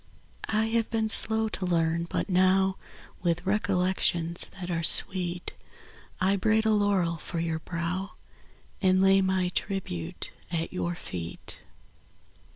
I have been slow to learn, but now, With recollections ■ that are sweet, I braid a laurel for your brow And lay my tribute at your eet.